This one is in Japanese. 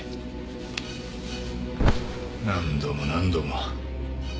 何度も何度も。